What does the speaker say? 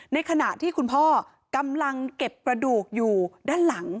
ในขณะที่คุณพ่อกำลังเก็บกระดูกอยู่ด้านหลัง